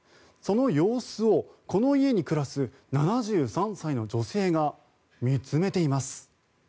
その様子をこの家に暮らす７３歳の女性が見つめています。